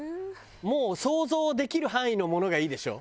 もう想像できる範囲のものがいいでしょ？